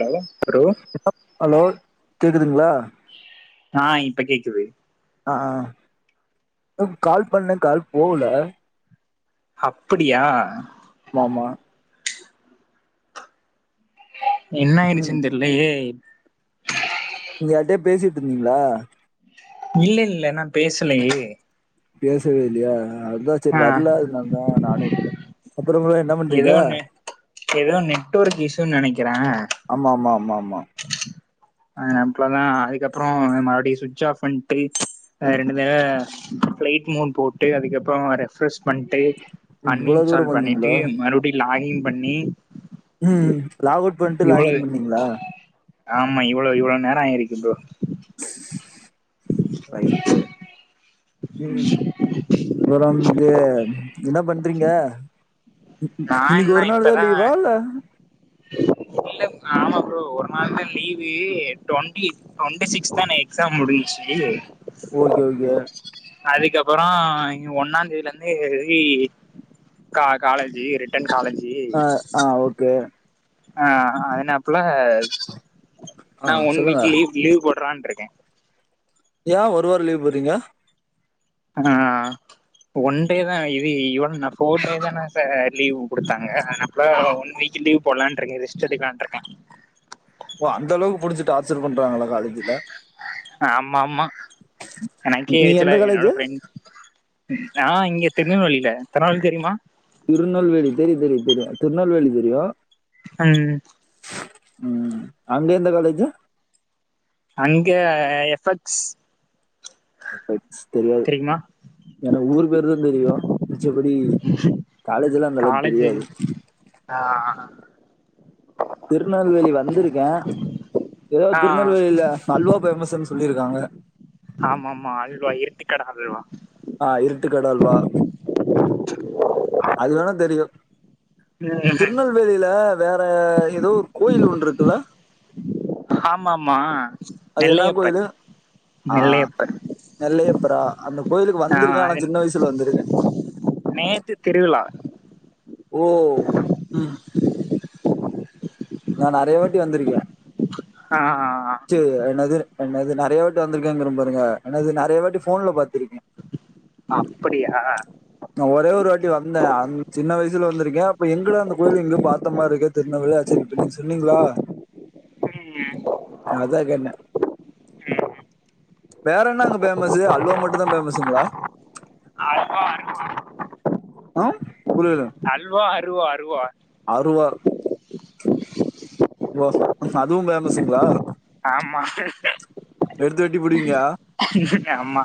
hello bro ட்குதுங்ளா ஆ இப்ப கேக்குது ஆ கால் பண்ணே கால் போகல அப்புடியா ஆமா ம் என்ளாயிடுச்சுனு தெர்லயே பேசிட் இருந்தீங்ளா இல்ல இல்ல நா பேசலயே பேசவே இல்லையா அதுதா செரி வர்ல அதுனால தா நானு விட்டே அப்புறம் ப்ரோ எ எதோ ஒன்னு எதோ நெட்வொர்க் இஷுன்னு நெனைக்கிறே அ மா அஹ் நம்பளதா அதுக்கப்பறோ மறுபடியடி சுவிட்ச் ஆஃபா பண்ட்டு ரெண்டு தடவ ப்ளைட் மூன் போட்டு அதுக்கப்பறோ ரெஃப்ரெஷ் பண்ட்டு அன் இவ்வளவு தூரம் இன்ஸ்டால் பண்ணிட்டு வந்தீங்களா மறுவுடியு லாகின் பண்ணி ஹம்ம் லாக் அவுட் பண்ட்டு இவ்ளோ லாக் இன் பண்ணீங்ளா ஆமா இவ்ளோ இவ்வளோ நேரோ ஆயிருக்கு ப்ரோ ரைட்டு உம் ம் அப்பறோம் வந்து என்னா பண்றீங்க நா இன்னிக்கு என்ன ஒரு நாள் தா இப்பதா லீவா இல்ல இல்ல ஆமா ப்ரோ சோ ஒரு நாள் தா லீவு டுவெண்டி டுவெண்டி சிக்ஸ் தான எக்ஸாம் முடிஞ்சு ஓகே ஓகே அதுக்கப்பறோ ஒன்னாம் தேதியில இருந்து இ கா காலேஜு ரிட்டன் காலேஜி ஆ ஆ ஓகே ஆஹ் என்ன அப்பெலா ஆ நா ஒன் சொல்லுங்க வீக் லீவ் லீவ் போட் ட்றான் ருக்கே ஏ ஒரு வாரோ லீவ் போட்டீங்க ம்ஹ்ம்ம் ஒன் டே தா இதி இவள்ன்ன ஃபோர் டே தான சா லீவு குடுத்தாங்க நம்ப்ள ஒன் வீக் சி லீவ் போடலான்ருக்கே ரெஸ்ட் எடுக்லான்ட்ருக்கே சரு பண்றாங்களா காலேஜில ஆமாமா எனக்கே நீ எந்த எருச்சலாருக் காலேஜ் என்னோட ஃப்ரெண் நா இங்க திருநெல்வலில தனவால் தெரிய்மா திருநல்வேலி தெரியு தெரியு தெரியு திருநல்வேலி தெரியு ம் ம் அங் எந்த காலேஜு அங்க எஃப்பக்ஸ் எஃப்எஸ் தெரியாது எனக் ஊரு பேரு தா தெரியு மிச்சபடி காலேஜிலா அந்த அளவுக் காலேஜு தெரியாது ஆ திருநல்வேலி வந்திருக்கே எதோ ஆ திருநல்வேலில அல்வா பேமஸுன் சொல்லிருக்காங்க ஆமம்மா அல்வா இருட்டு கட அல்வா ஆ இருட்டு கட அல்வா அது வேணா தெரியு ம் திருநல்வேலில வேற எதோ ஒர் கோயில் ஒன்ருக்குல ஹாம்மமா அது என்னா கோயிலு ஆ நெல்லையப்பர் நெல்லையப்பரா அந்த கோயிலுக்கு ஆ வந்துருக்க அனா அது சின்ன வய்சுல வந்திருக்க நேத்து திருவிலா ஓ ம் நா நறைய வாட்டி வந்துருக்கே அ அ என்னது அ என்னது நெறய வாட்டி வந்துருக்கங்குற பாருங்க என்னது நறய வாட்டி ஃபோன்ல பாத்துருக்கே அப்படியா நா ஒரே ஒரு வாட்டி வந்தே அந் சின்ன வய்சுல வந்துருக்கே அப்ப எங்குடா அந்த கோயில எங்கே பாத்த மாருக்கே திர்நவில்ய செரி இப்ப நீங் சொன்னீங்ளா உம் உம் வேற என்ன அங்க பேமஸு அல்வா மட்டு தா பேமஸுங்ளா அல்வா அருவா ஆம் அல்வா அருவா அருவா ஓசொ அதுவு பேமசுங்ளா ஆமா எடுத்து வெட்டிபுடுவீங்க நேமா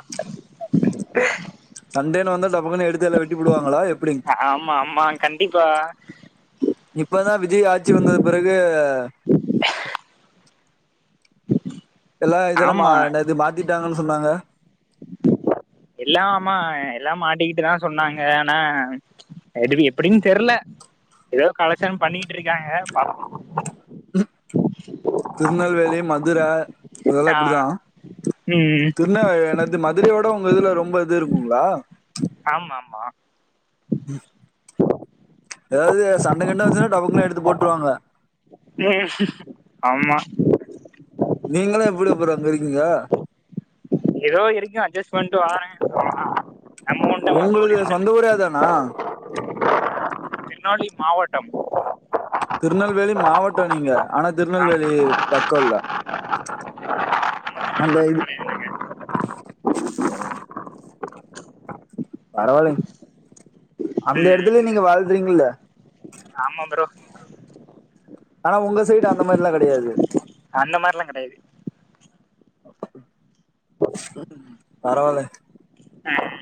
சண்டேனு வந்தா டபக்குனு எடுத்து எல்லா வெட்டிபுடுவாங்களா எப் ஆம் ஆமா கண்டிப்பா இப்பதா விஜய் ஆச்சி வந்தது பெறகு எல்லா இதல்லா மா ஆமா என்னது மாத்திட்டாங்கன்னு சொன்னாங்க எல்லா அமா எல்லா மாட்டிக்கிட்டுதா சொன்னாங்க அனா எடுவி எப்புடின் தெர்ல எதோ கலக்ஷன் பண்ணிகிட் இருக்காங்க பாப்போ திருநெல்வேலி மதுர இதல்லா ஆ, இப்புடுதா ம் திருநவெ என்னது மதுரயோட உங்க இதுல ரொம்ப இது இருக்குங்ளா ஆம் ஆமா ஏதாவ்து சண்ட கிண்ட வந்ச்சுன்னா டபக்குனு எடுத்து போட்டுருவாங்க ஆம்மா எப்புற அங்க இருக்கீங்க எதோ இருக்கே அட்ஜஸ்பண்டு வாரே ஒங்ளுக்து சொந்த ஊரே அதானா திருநெல்வேலி மாவட்டம் திருநெல்வேலி மாவட்ட நீங்க ஆனா ஆமா திருநெல்வேலி பக்கல்ல அந்த இது ஓ பரவாயில்லங் அந்த ம், எடத்துலயே நீங்க வாழ்த்துறீங்கல்ல ஆமா ப்ரோ ஆனா உங்க சைடு அந்த மாரில்லா கெடையாது அந்த மாரில்லா கெடையாது ம் பரவால்ல ம்,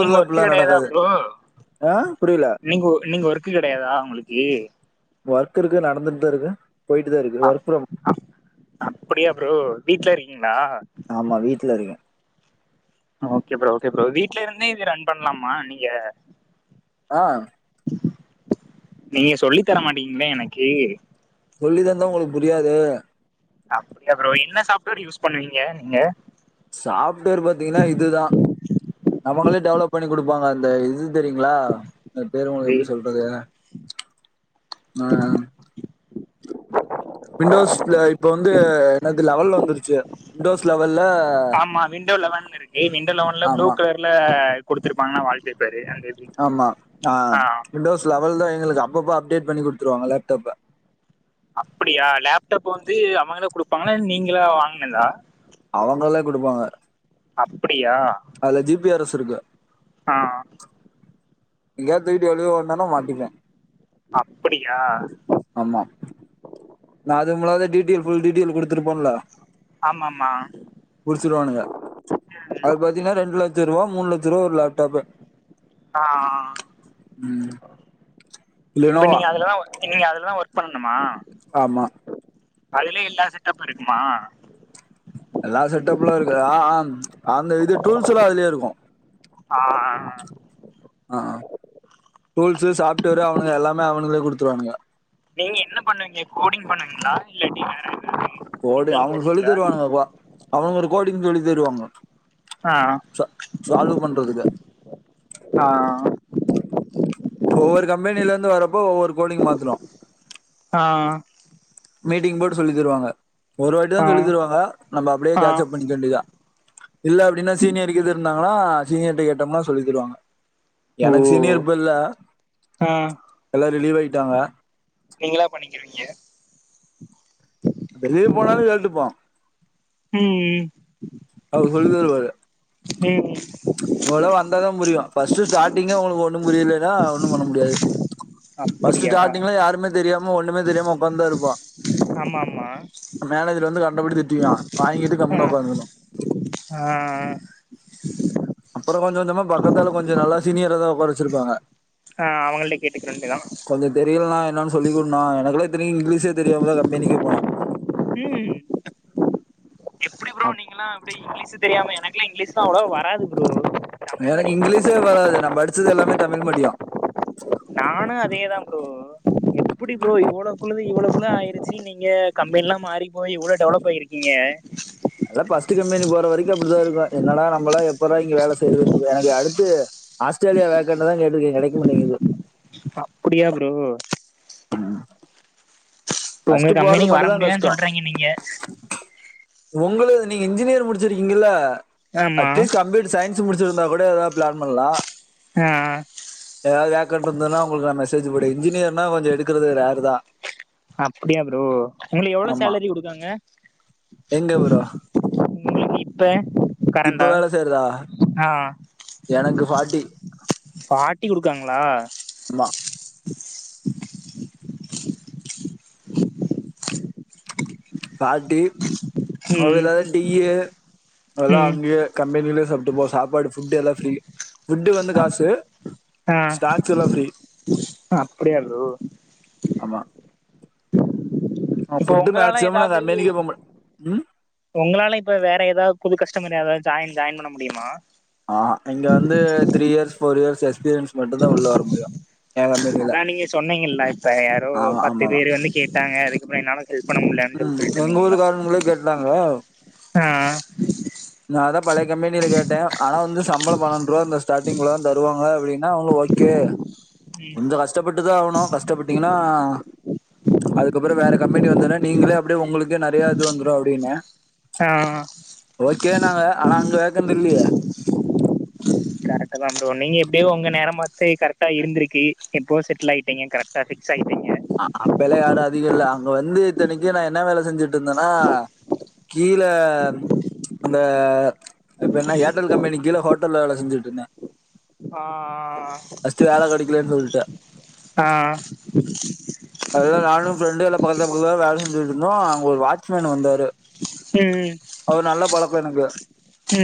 நீங்க ஒர்க்கு கெடையாதா நடக்காது ப்ரோ ஆ புரியல நீங்க நீங்க ஒர்க்கு கெடையாதா உங்களுக் ஏ ஒர்க் இருக்கு நடந்துட்டுதா இருக்கு போயிட்டு தா இருக்கு ஒர்க் ப்ரம் அப்டியா ப்ரோ வீட்ல இருக்கீங்களா ஆமா வீட்டுல இருக்கேன் ஓகே ப்ரோ ஓகே ப்ரோ வீட்லருந்தே இத ரன் பண்ணலாமா நீங்க ஆ நீங்க சொல்லி தரமாட்டீங்களே எனக்கு சொல்லி தந்தா உங்களுக்கு புரியாது அப்டியா ப்ரோ என்ன சாப்ட்வேர் யூஸ் பண்ணுவீங்க நீங்க சாப்ட்வேர் பாத்தீங்கன்னா இதுதா அவங்களே டெவலப் பண்ணிக் குடுப்பாங்க அந்த இது தெரியுங்களா இந்த பேரு உங்களுக்கு இது எப்டி சொல்றது ஆ விண்டோஸ்ல இப்ப வந்து என்னது லெவல் வந்துருச்சு விண்டோஸ் லெவல்ல ஆமா விண்டோ லெவன் இருக்கு விண்டோ லெவன்ல ப்ளூ ஆமா கலர்ல குடுத்தருப்பாங்கனா வால் பேப்பர் ஆமா ஆ விண்டோஸ் லெவல்ல எங்களுக்கு அப்பப்ப அப்டேட் பண்ணி குடுத்துருவாங்க லேப்டாப்ப அப்டியா லேப்டாப் வந்து அவங்கதா குடுப்பாங்களா நீங்களா வாங்கனதா அவங்கதா குடுப்பாங்க அப்டியா அதுல ஜி பி ஆர் எஸ் இருக்கு ஆ எங்கயா தூக்கிட்டு வெளிய வந் வந்தா மாட்டிப்பே அப்டியா ஆமா நா அது முதல்ல டீடெய்ல் புல் டீடெய்ல் குடுத்துருப்பேன்ல ஆமாமா புடிச்சுருவானுங்க அது ம் பாத்தீங்கன்னா ரெண்டுல ரெண்டு லட்ச ரூபா மூணு லட்ச ரூபா ஒரு லேப்டாப்பு ஆ ம் இப்ப லினோவா நீங்க அதுலதா நீங்க அதுல தா ஒர்க் பண்ணணுமா ஆமா அதுலே எல்லா செட்டப்பு இருக்குமா எல்லா செட்டப்ல்லா இருக்கு ஆ ஆ அந்த இது டூல்ஸ்ல்லா அதுலயே இருக்கு ஆ ஆ ஆஹ ஆ டூல்ஸு சாஃப்ட்வேரு அவனுங்க எல்லாமே அவனுங்களே குடுத்துருவானுங்க நீங்க என்ன பண்ணுவீங்க கோடிங் பண்ணுவீங்களா இல்லாட்டி வேற எதாவது கோடு டிசைன் அவங்க சொல்லி போடுவீங்களா தருவானுங்கப்பா அவங்க ஒரு கோடிங் சொல்லித் தருவாங்க ஆ ச சால்வ் பண்றதுக்கு ஆ ஒவ்வொரு கம்பெனில ருந்து வரப்போ ஒவ்வொரு கோடிங் மாத்தணு ஆ மீட்டிங் போட்டு சொல்லி தருவாங்க ஒரு வாட்டி தா ஆ சொல்லி தருவாங்க நம்ம அப்படியே ஆ கேட்ச்சப் பண்ணிக்க வேண்டியதா இல்ல அப்டின்னா சீனியர் கீது இருந்தாங்கன்னா சீனியர்கிட்ட கேட்டம்னா சொல்லி தருவாங்க ஓ எனக்கு சீனியர் இப்ப இல்ல ஆ எல்லா ரிலீவ் ஆயிட்டாங்க நீங்களா பண்ணிக்கவீங்க வெளிய போனாலு கேட்டுப்போ ம் ம் அவுக சொல்லி தருவாரு ம் இவ்ளோ வந்தாதா புரியு ஃபஸ்டு ஸ்டாட்டிங்கே உங்ளுக்கு ஒன்னு புரிலேனா ஒன்னு பண்ண முடியாது பஃஸ்ட்டு அப்புடியா டாட்டிங்ல யாருமே தெரியாம ஒன்னுமே தெரியாம உக்காந்தா இருப்போ ம்மா கண்டபடி திட்டிகிவா வாய்ங்கிட்டு கம்முனு உக்காந்துகுனு ஆ அப்பற கொஞ்ச கொஞ்சமா பக்கத்தால கொஞ்ச நல்லா சீனியராதா உக்கார வச்சிருப்பாங்க ஆ அவங்கள்ட்ட கேட்டுக்க வேண்டியதா கொஞ்ச தெரியல்னா என்னானு சொல்லிகுட்னா எனக்குலாத் இத்தனைக்கு இங்கிலீஷே தெரியாமதா கம்பெனிக்கே போன ம் ம் டி ப்ரோ நீங்கலா அப்டி இங்கிலீஷு தெரியாம எனக்லா இங்கிலிஷ்தா அவ்ளா வராது ப்ரோ தமிழ் எனக்கு மீடியம் இங்கிலீஷே ப்ரோ வராது நா படிச்சது எல்லாமே தமிழ் மிடியோ நானு அதேதா ப்ரோ எப்புடி ப்ரோ இவ்ளோவுக்குள்ளது இவ்ளோகுள்ள ஆயிருச்சி நீங்க கம்பேன்லா மாறி போயி இவ்ளோ டெவலப் ஆயிருக்கீங்க அ அதலா ஃபஸ்ட்டு கம்பெனி போற வரைக்கு அப்டிதா இருக்கு என்னடா நம்மளா எப்பதா இங்க வேல செய்றதுன்ருகு எனக்கு அடுத்து ஆஸ்ட்ரேலியா வேக்கண்டுதா கேட்ருக்கே கெடைக்க மாட்டேங்கிது அப்புடியா ப்ரோ இப்ப உங்க ஃபஸ்ட்டு போறது கம்பெனிக்கு வர மட்டுந்தா முடியாதுன்னு கஷ்ட சொல்றீங்க நீங்க ஒங்கள நீங்க இன்ஜினியர் முடிச்சிருக்கீங்கில்ல ஆமா அட்லீஸ்ட் கம்ப்யூட்டர் சயின்ஸ் முடிச்சிருந்தா கூ ட எதா பிளான் பண்லா ஆ ஏதாவது வேக்கண்ட் இருந்ததுனா உங்ளுக்கு நா மெஸ் சேஜூ போட இன்ஜினியர்னா கொஞ்ச எடுக்கிறது ரேருதா அப்டியா ப்ரோ உங்ளுக்கு எவ்ள சேலரி குடுக்காங்க எங்க ப்ரோ உங்ளுக்கு இப்ப இப்ப கரண்டா வேலை செய்யறதா ஆ எனக்கு ஃபார்ட்டி பாட்டி குடுக்காங்ளா ம்மா பாட்டி ம் [unintelligible] டிய்யு அல்லா ம் அங்கியே கம்பெனிலே சப்ட்டு போ சாப்பாடு ஃபுட்டு எல்லா ஃப்ரீ ஃபுட்டு வந்து அப்- காசு ஆ ஸ்டாச்சு எல்லா ஃப்ரீ அப்டியா ப்ரோ ஆமா இப்ப ஃபுட்டு உங்களால மேக்ஸிமம் நான் எதாது கம்பெனிக்கே போக மாட்டேன் ம் உங்களால இப்ப வேற ஏதா புது கஷ்டமர் யாராவது ஜாயின் ஜாயின் பண்ண முடியுமா ஆஹா இங்க வந்து three years four years experience மட்டுந்தா உள்ள வர முடியு அதா நீங்க சொன்னீங்கில்ல இப்ப யாரோ ஆமா பத்து ஆமாமா பேரு வந்து கேட்டாங்க அதுக்கப்ற என்னால ஹெல்ப் பண்ண முல்லன் சொல் ம் எங்க சொல்ட்டிந்திங்கில்ல ஊருக்காரனுங்களே கேட்டாங்க ஆ நா அதா பழைய கம்பெனில கேட்டே ஆனா வந்து சம்பள பனண்ருவா இந்த ஸ்டார்டிங்குள்ள தா தருவாங்க அப்டின் அ அவுங்ளு ஓக்கே ம் கொஞ்ச கஷ்டப்பட்டுதா ஆவுணு கஷ்டபட்டீங்கனா அதுக்கப்புற வேற கம்பெனி வந்தனா நீங்களே அப்டியே உங்களுக்கே நெறைய இது வந்துரு அப்டினு ஆ ஓகே நாங்க ஆனா அங்க வேக்கண்ட்டில்லியே டே ஒங்க நேரமாச்சே கரட்டா இருந்திருக்கி எப்போ செட்டில் ஆய்ட்டீங்க கரெக்டா பிக்ஸ் ஆய்ட்டீங்க அ அப்பிலா யாரு அதிக இல்ல அங்க வந்து இத்தனைக்கு நா என்னா வேல செஞ்சுட்ருந்தனா கீழ அந்த இப்ப என்ன ஏர்டெல் கம்பெனிக் கீழ ஹோட்டல்ல வேல செஞ்சுட்ருந்த ஆ கெடைக்கலன்னு சொல்ட்டு ஆ ஆ அதுல நானு ஃப்ரெண்டு எல்லா பக்கத்துல பக்கத்துல வேல செஞ்சுட்ருந்தோ அங்க ஒரு வாட்ச்மேன் வந்தாரு ம் அவரு நல்ல பழக்க எனக்கு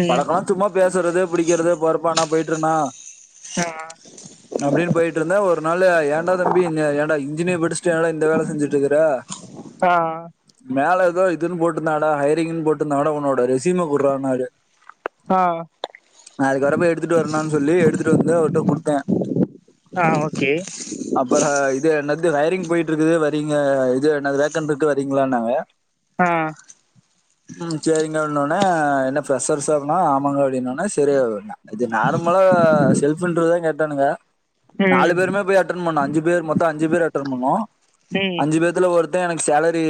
ம் பழக்கலா சும்மா பேசறது புடிக்கிறது போருப்ப அண்ணா போயிட்ரணா ஆ இருந்தே ஒரு நால்ல ஏண்டா தம்பி இன்னே ஏன்டா இன்ஜினியர் படிச்ட்டு ஏடா இந்த வேல செஞ்சுட்ருக்குற ஆ தோ இதுன் போட்ருந்தாடா ஹைரிங்கின் போட்டுந்நாடா ஒன்னோட ரெஸ்யூம குட்றான்னாரு ஆ நா அதுக்கப்புறப்ப எடுத்துட்டு வரணுன் சொல்லி எடுத்துட்டு வந்து அவர்ட்ட குடுத்த ஆ ஓகே அப்பற இத என்னத் இது வயரிங் போயிட்டுருக்குது வரீங்க இது என்னது வேக்கண்ட் ட்ருக்கு வரீங்களான்னாங்க ஆ உம் சேரிங்க ஒட்னோனே என்ன ப்ரஷர்சு அப்னா ஆமாங்க அப்டின்னொனே செரி வோர்ன்னா இது நா மொல செல்ஃப் இன்ட்ரோதா கேட்டானுங்க நாலு ம் பேருமே போய் அட்டன் பண்ணோ அஞ்சு பேர் மொத்தோ அஞ்சு பேர் அட்டர் பண்ணோ ம் அஞ்சு பேத்துல ஒருத்தன் எனக் சேலரி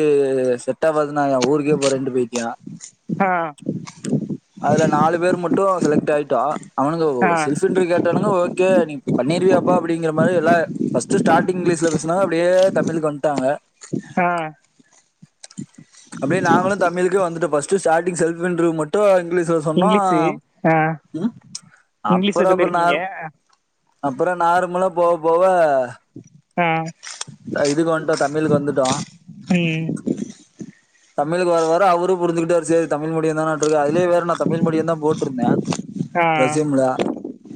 செட்டாவாது நாங்க ஊருக்கே போரெண்ட்டு பொய்க்ட்டியா ஆ அதுல நாலு பேர் மட்டு செலக் டைட்டா அவனுங்க ஓ ஆ செல்ஃப் இன்ட்ரியூ கேட்டானுங்க ஓகே நீ பண்ணீருவியாப்பா அப்படிங்குற மாரி எல்லா ஃபஸ்ட்டு ஸ்டாட்டிங் இங்கிலீஸ்ல பேஸ்னாக அப்டியே தமிழுக்கு வந்ட்டாங்க ஆ அப்டியே நாங்களு தமிழ்க்கே வந்துட்டோ ஃபஸ் ஸ்ட்டு சார்டிங் செல்ஃப் இன்ட்ரோ மட்டு இங்க்லீஸ்ல சொன்னோ இங்கிலீஷு ஆம் ஆ ம் இங்கிலீஷ்ல அப்புறோ அப்புற சொல்லிருக்கீங்க நார்ம் அப்புரோ நார்ம்லா போ போவ ஆ அ இதுக்கு வந்ட்டோ தமிழுக்கு வந்துட்டோ ம் தமிழுக்கு வர வர அவரு புரிஞ்சிக்கிட்டாரு சேரி தமிழ் மீடியம் தானா ற்றுக்க அதுலே வேற நா தமிழ் மீடியந்தா போட்ருந்தே ஆ ரெஸும்ல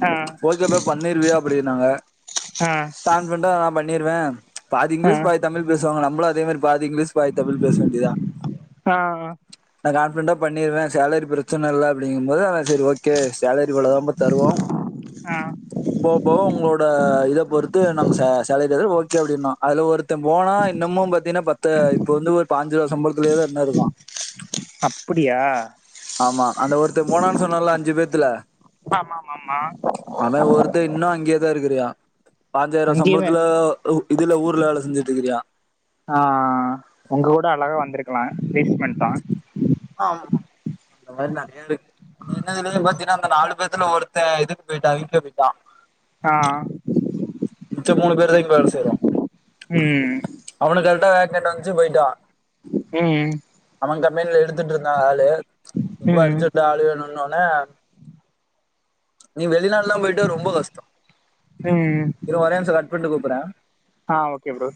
ஆ போல் தெப்பே பண்ணீருவியா அப்படினாங்க ஆ கான்ஃபிடன்டா அப் பண்ணிருவே பாதி ஆ இங்கிலீஷ் பாதி தமிழ் பேசுவாங்க நம்பளு அதே மாரி பாதி இங்கிலீஷ் பாதி தமிழ் பேச வேண்டிதா அ அ கான்ஃபிடன்ட்டா பண்ணிருவ சேலரி பிரச்சன இல்ல அப்படிங்கும்போது அதா செரி ஓகே சேலர் இவ்வளதாம்பா தருவோ ஆ போவ போவ உங்களோட இத பொறுத்து நாங்க சே சேலரிதரு ஓகே அப்படின்னோ அதுல ஒருத்தே போனா இன்னமு பாத்தின்னா பத்து இப்ப வந்து ஒரு பாஞ்சிருவா சம்பளத்துலேதா இன்னு இருக்கா அப்படியா ஆமா அந்த ஒருத்த போனான்னு சொன்னல்ல அஞ்சு பேர்த்துல ஆமா ஆமா ஆமா அனா ஒருத்த இன்னு அங்கேயே தா இருக்குறியா பாஞ்சாயிருவா அங்கேயுமே சம்பளத்துல ஊ இதுல ஊர்ல வேல செஞ்சுட்ருக்குறியா ஆ உங்க கூட அழகா வந்துருக்கலா ஆம்மா அந்த மாரி நெறையா இருக்கு [unintelligible] ய அந்த நாலு பேர்த்துல ஒருத்த இதுக் போய்ட்டா யூ கே போய்ட்டா ஆ மிச்ச மூணு பேரு தா இங்க வேல செய்றோ ம் அவுனுக் கரெட்டா வேகன்ட் வந்ச்சு போய்ட்டா ம் அவ கம்பெனில எடுத்துட்ருந்தா ஆளு ரொம்ப ம் அர்ஜேன்ட்டு ஆளு வேணு இன்னொன்னு நீ வெளிநாட் ல்லா போய்ட்டா ரொம்ப கஷ்டோ ம் நிம்சோ கட் பண்ட்டு கூப்பறே ஆ ஓகே ப்ரோ